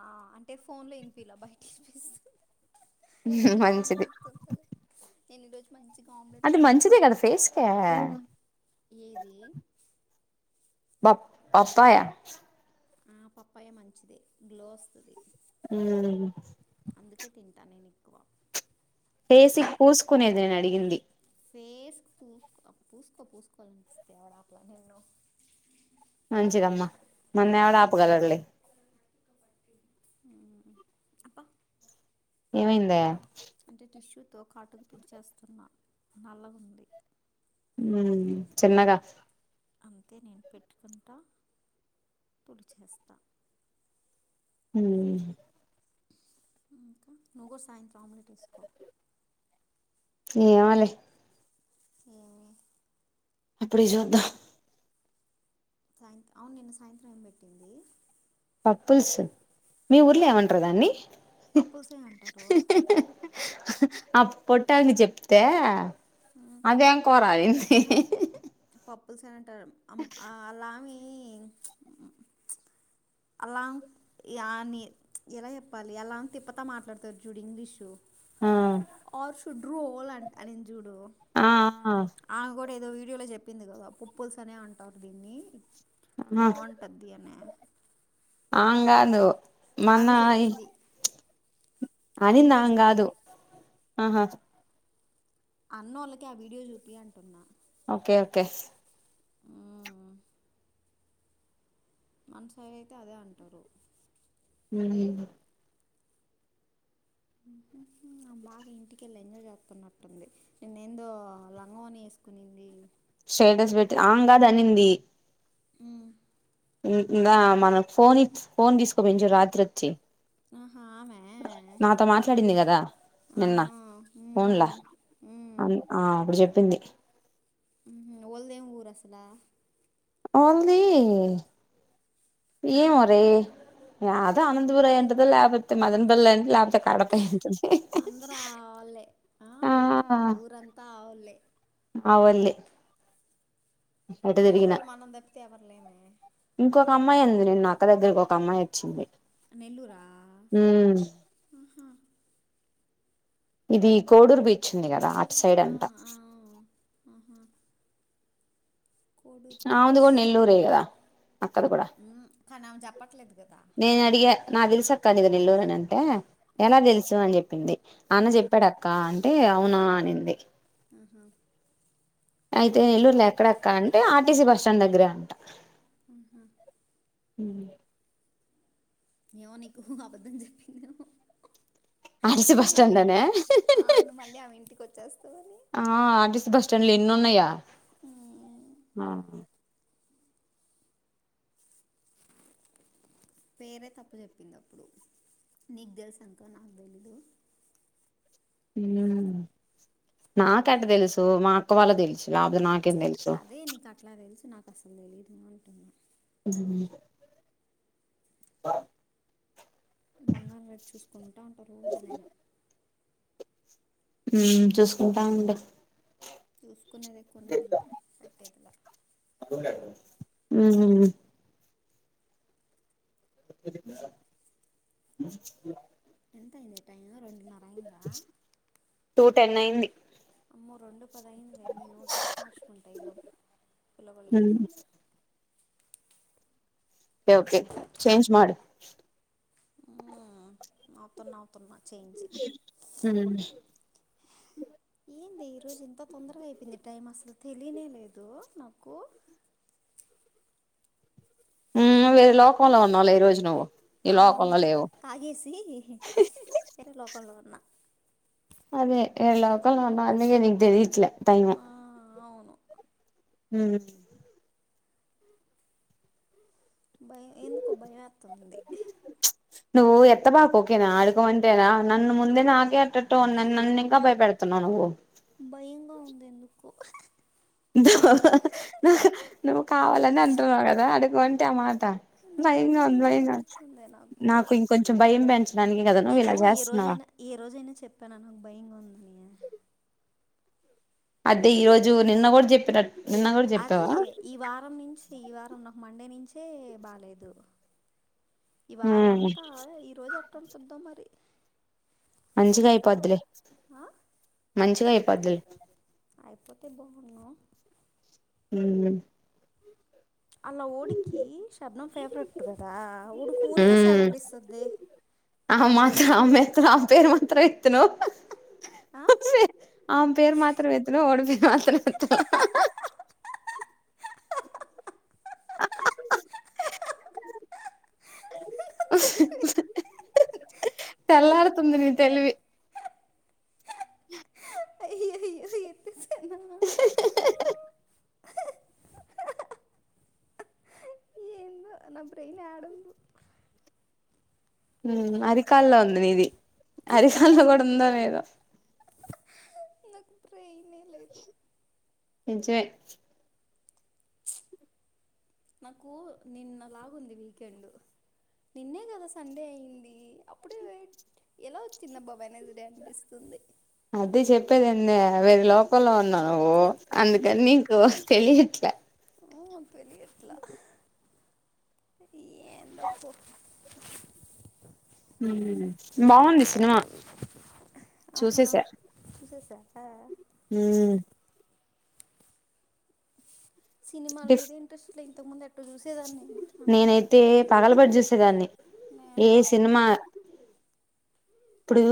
ఆ అంటే ఫోన్ లో ఇనిపియాలే బయటపిస్తూ మంచిది నేను ఈ రోజు అంటే మంచిదే కదా ఫేస్ క ఏది ప పప్పాయ ఆ పప్పాయ మంచిది గ్లో వస్తది ఉమ్ అందుకే తింటా నేను ఎక్కువ ఫేస్ కి పూసుకునేది నేను అడిగింది ఫేస్ పూ పూసుకో పూసుకోవాలనిపిస్తే ఎవడుపలే నిన్ను మంచిదమ్మా నన్ను ఎవడ ఆపుగలర్లే అబ్బా ఏమైందా తో కాటుకు తుడిచేస్తున్నా నల్లగా ఉంది ఉమ్ చిన్నగా అంతే నేను పెట్టుకుంటా తుడిచేస్తా ఉం ఇంకా నువ్ కూడా సాయంత్రం ఆమ్లెట్ వేసుకో ఏమోలే ఏమి అప్పుడికి చూద్దాం సాయంత్రం అవును నిన్న సాయంత్రం ఏం పెట్టింది పప్పుల్స్ మీ ఊర్లో ఏమంటారు దాన్ని పప్పులుసే అంటారు అ పొట్టయనిన కి చెప్తే అదేం కోరాలింది హేహే పప్పులుస్ అని అంటారు అలా మే అలా అని ఎలా చెప్పాలి అలా అ తిప్పతా మాట్లాడతారు చూడు ఇంగ్లీషు ఆ ఆల్ షడ్డు రోల్ అనిది జూడు ఆ ఆమె గూడా ఏదో వీడియో లో చెప్పింది కదా పుప్పుల్స్ అనే అంటారు దీన్ని బాగుంట్టది అనే ఆంగాదు ఆమె చెప్పింది. ఆ అనింద్ వీడియో ఆమె చూపి కాదు. ఆహా అన్నోళ్ళకి ఆ వీడియో చూపియి అంటున్నా. ఓకే ఓకే మన సైడ్ అయితే అదే అంటరు. హుహ్ బాగా ఇంటికెళ్ళి ఎంజాయ్ చేస్తున్నట్టుంది. నిన్న ఎందో లంగా ఓని ఏసు కొనింది. స్టేటస్ పెట్టి ఆమ కాదు అనింది. హు గా మన ఫోన్ ఇచ్ ఫోన్ తీసుకపోయింది చూడు రాత్రి అచ్చి. ఆహా ఆమే నిన్నా ఫోన్లా ఉమ్, అ ఆమె చెప్పింది. వళ్ళదేం ఊరు అసలా. వాళ్ది ఏమోరే యాదో అనంతపుర్ అయింటది లేపోతే మదన పెళ్ళి అయిం లే ఆ అందరు ఆవోల్లే ఆ ఊరంతా ఆవోల్లే. ఆవోల్లే నెల్లూరోళ్ళు మనం తప్పితే ఎవర్లేమే. ఒక అమ్మాయి ఉంది నిన్న అక్క దగ్గరకి ఒక అమ్మాయి వచ్చింది. నెల్లూరా ఆహా. ఇది కోడూరు బీచ్ ఉంది కదా అటు సైడ్ ఆ, అంటా. ఆ, ఆ. ఆహా కోడూరు ఆమెది కూడా నెల్లూరే కదా. అక్కది కూడా హ్ కని ఆమె చెప్పట్లేదు కదా. నేను అడిగా నాకు తెలుసు అక్క నీది నెల్లూరని అంటే ఎలా తెలుసు అని చెప్పింది. అన్న చెప్పాడక్క అంటే అవునా అనింది. ఆహా అయితే నెల్లూరులో ఎక్కడక్కా అంటే ఆర్టీసీ బస్ స్టాండ్ దగ్గరే అంట. అహా హుహ్ ఏమో నీకు అబద్దం చెప్పింది ఏమో. ఆర్టీసీ బస్టాండ్ అనా నువ్వు మళ్ళీ ఆమె ఇంటికి వచ్చేస్తావని ఆ ఆర్టీసి బస్ స్టాండ్లు ఎన్ని ఉన్నయా. మ్మ్, ఆహా అ పేరే తప్పు చెప్పింది అప్పుడు. నీకు తెలుసాంక నాకు తెలీదు. హ్ నాకెట్ట తెలుసు మా అక్క వాళ్ళకు తెలుసు లాకపోతే నాకు అదే నీకు అట్లా తెలుసు నాకు అస్సలు తెలీదు అంటున్నా. హ్ స బంగారు రేట్ చూసుకుంటా ఉంటా రోజు నేను. ఉ చూసుకుంటా ఉండు. చూసుకునేది కొనేదిలా, పెట్టేదిలా ఉహ్ ఎంత అయింది టైం రెండున్నర అయి టూ టెన్ అయింది. అమ్మో రెండు పదయిందే నేను డ్రెస్ మార్చుకుంటా ఈ లోపు. పిలవ లేదు. ఒకే ఒకే చేంజ్ మాడు. ఊ అవుతున్నా అవుతున్న ఉహు ఏంది ఈ రోజు ఎంత తొందరగా అయిపోయింది టైం అసలు తెలియనే లేదు నాకు ఉ వేరే లోకంలో ఉన్నావులే ఈ రోజు నువ్వు ఆ ఈ ఉన్నా లోకంలో లేవు తాగేసి వేరే లోకంలో ఉన్నా అదే ఈ లోకంలో ఉన్నావు అందుకే నీకు తెలిట్లే టైము ఆ అవును ఉ భయం ఎందుకో భయం వతుంది నువ్ ఎత్త్త బాకు కేనా ఆడుకోమంటేనా నన్ను ముందే నాకే ఎట్టెట్టు నన్ను ఇంకా భయపెడ తున్నావు నువ్వు భయంగా ఉంది ఎందుకు నువ్వు కావాలని అంటున్నావు కదా అనుగంటే మా భయ నిజంగానే ఉంది భయంగా ఉ భయమేస్తుంది నాకు ఇంకొంచం భయం పెంచడానికి కదా నువ్వు నేను ఇలా ఏ చేస్తున్నావు రోజైనా ఏ రోజైనా చెప్పాన నాకు భయంగా ఉందని అదే ఈ రోజు నిన్న కూడా చెప్పినట్టు అదే ఈ వారం నుంచి ఈ వారం నాకు మండే నుంచే బాలేేదు ఈ వారం అంతా ఈ రోజు ఎట్లా ఉంటుందో మరి మంచిగా చూడాలా అయిపోదులే ఆ మంచిగా అయిపోద్ది అయిపోతే బాగున్ను ఉ అలా ఊడికి శబ్దం ఫేవరెట్ కదా ఊడికి ఊరికే సెలవులు ఇస్తుంది ఆ నే మాత్ర అమ్మా ఇతను ఆ పేరు మాత్రం ఎత్తను ఆ? ఆ పేరు మాత్రం ఎత్తను ఓడు పేరు మాత్రం ఎత్తను తెలివి తెల్లారుతుంది నీ తెలివి అయ్యో అయ్యో ఎత్తేసానా ఏం కాడు ఉమ్ అరికాల్లో ఉంది నీది అరికాల్లో కూడా ఉందో లేదో నాకు బ్రెయినే లేదు నిజమే నాకు నిన్నలాగ ఉంది వీకెండ్ నిన్నే కదా సండే అయింది అప్పుడే ఎలా వచ్చిందబ్బా నేదిడే అనిపిస్తుంది అదే చెప్పేది వేరే లోకల్లో ఉన్నావు నువ్వు అందుకని నీకు తెలియట్లే ఊ తెలిట్లా ఏందో పో బాగుంది సినిమా ఆహా చూసేసా చూసేసారా ఉ సినిమాల డిఫ్ మీద ఇంట్రస్ట్లు ఇంతకు ముందు నేనైతే పగలబడి చూసేదాన్ని నేను ఏ కూడా సినిమా ఇప్పుడోస్ ఇప్పుడు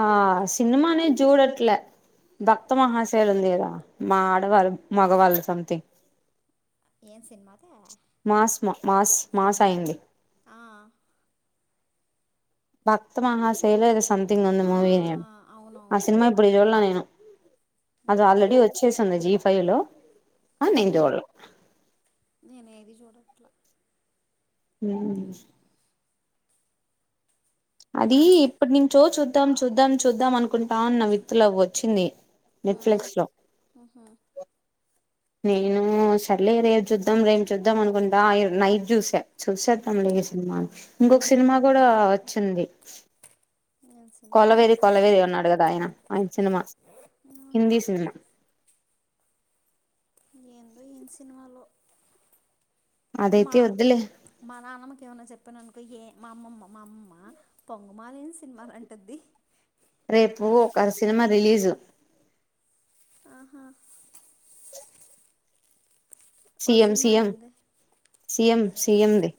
ఆ సినిమానే చూడట్ల భక్త మహాశయలు ఉంది ఏదా మా ఆడవాళ్ళు మగవాళ్ళు సంథింగ్ ఏం సినిమా అదా మాస్ మాస్ మాస్ అయింది ఆ భక్త మహాశయలేస్ సమంతింగ్ ఉంది ఆ మూవి నేమ్ ఆ అవునవును సినిమా ఇప్పుడు ఉంది చూళ్ళా నేను అది నే ఆల్రెడీ వచ్చేసింది జీప్ పైలో ఆ నీంటవాళ ఇట్లా ఉ అది ఇప్పుడు నించో చూద్దాం చూద్దాం చూద్దాం అనుకుంటాన్నం విత్తులవ్ వచ్చింది నెట్ఫిలక్స్ లో ఉహు నేను చల్లే రేపు చూద్దాం రేం చూద్దాం అనుకుంటా నైట్ చూసా చూసేద్దాం లే సినిమా ఇంకొక ఉహు సినిమా కూడా వచ్చింది ఏం సినిమా కొలవేరి కొలవేరి ఉన్నాడు కదా ఆయన ఆయన సినిమా ఆహా హిందీ సినిమా ఏందో ఏం సినిమాలో మా అదైతే వద్దులే మా నాన్నమ్మక ఏమన్నా చెప్ప చెప్పననుకో ఏ మా అమ్మమ్మ మా అమ్మ పొంగమాలని సినిమాలు అంటుది రేపు ఒక సినిమా రిలీజు ఆహా ఒక సినిమా ఎంది సిఎం సిఎంది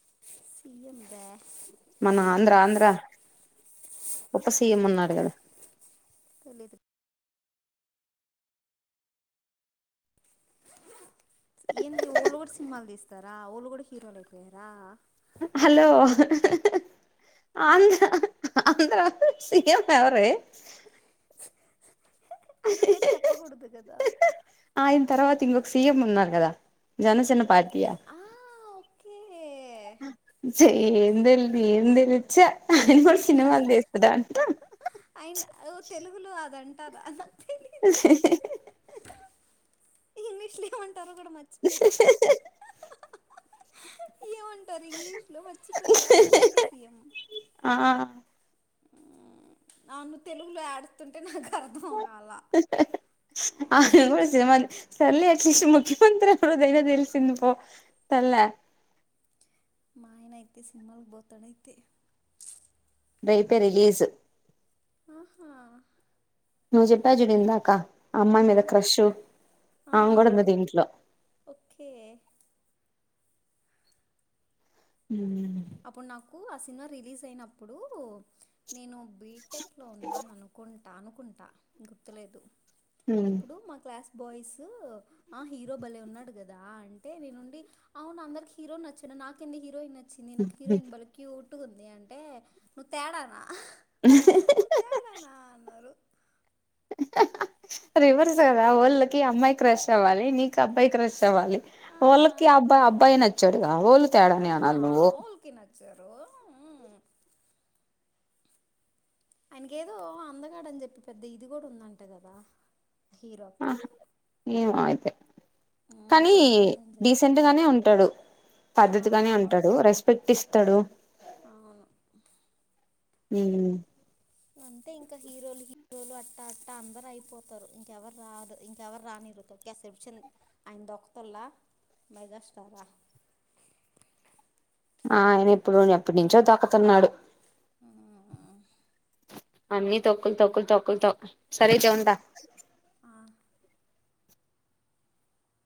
[unintelligible] మన ఆంధ్ర ఆంధ్ర ఉప్ప సీఎం ఉన్నాడు కదా తె లేద ఏంటి ఒళు కూడా సినిమాలు తీస్తారా ఒళు కూడా హీరోలు అయిపోయారా హలో అంద అంద్ర సిఎం ఎవరిే అయన పేరు చెప్పకూడదు కదా ఆయన తర్వాత ఇంకొక సీఎం ఉన్నారు కదా జనచన పార్టీ ఆ ఓకే చె ఏం తెలిదు ఏం తెలిచ్చా ఆయన కూడా సినిమాలు తీస్తడా అంట ఆయన తెలుగులో అదంటారు అ [unintelligible] ఇంగ్లీష్లు ఏమంటారు కూడా మర్చిపోయా ఏమంటారు ఇంగ్లీష్ులో మర్చిపోయి ఆ డిప్యూటీ సీఎం ఆ అవున్న తెలుగులో ఆడుతుంటే నాకు అర్థం కాల ఆ, అ గుసిమ చల్లి అట్లీస్ట్ ముఖ్యమంత్రివ దైనా తెలిసింది పో తల్ మా ఆయన అయితే సినిమాలకు పోతాడైయితే రేపే రిలీజ్ ఆహా నువ్ చెప్ప జుడిందా కా అమ్మాయి ఆ, మీద క్రష్ ఆ, అమే కూడా ఉంది దీంట్లో ఓకే ఉ అప్పుడు నాకు ఆ సినిమా రిలీజ్ అయినప్పుడు నేను బీటెక్లో ఉన్నాను అనుకు కుంటా అనుకుంటా గుర్తులేదు అప్పుడు మా క్లాస్ బాయస్ ఆ హీరో బలే ఉన్నాడు కదా అంటే నేనుండి అవును అందరికి హీరో నచ్చిన నాక ఎంటి హీరోయిన్ నచ్చింది నాకు హీరోయిన్ బలే కివ్ట్ ఉంది అంటే నువ్వు తేడానా నువ్వు తేడానా [inaudible] అన్నారు రివర్స్ కదా ఓళ్ళకి అమ్మాయి క్రష్ అవ్వాలి నీకు అబ్బాయి క్రష్ అవ్వాలి "ఆ, వాళ్ళకి అబ్బాయి అబ్బాయి నచ్చాడుగా వాళ్ళు తేడాని అనాలి నువ్వు జరో ఉ ఉ ఆయనకు ఏదో అందగాడ అని చెప్పి పెద్ద ఇది కూడా ఉందంట కదా హీరోకి ఆహా ఏమో అయితే మ్మ్ కానీ అందగాడని చెప్పి డీసెంట్ గానే ఉంటాడు ఆ పద్ధతిగానే ఉంటాడు రెస్పెక్ట్ ఇస్త వత్తడు అవును మ్మ్ హ్హ్ అంటే ఇంకా హీరోలకి రోజులు అట్టా అట్టా అందరు అయిపోతారు ఇంకెవరురారు ఇంకెవరిని రానివ్వరు తోక్కెస్తారు ఇప్పుడు తొక్కుతాళ్ల మేగాస్టారా ఆ ఆయన ఎప్పుడో ఎప్పటినుంచో తోక్కుతున్నాడు మ్మ్ అన్ని తొక్కులు తొక్కులు తొక్కులు తొ సరే తియ్ ఉంటా ఆ